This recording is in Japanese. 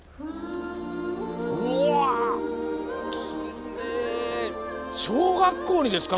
きれい！小学校にですか？